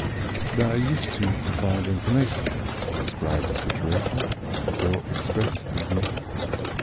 They are used to provide information, describe a situation, or express agreement.